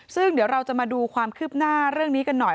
ซึ่งเดี๋ยวเราจะมาดูความคืบหน้าเรื่องนี้กันหน่อย